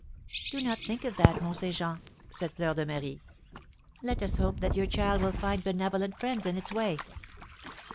"Do not think of that, Mont Saint Jean," said Fleur de Marie; "let us hope that your child will find benevolent friends in its way."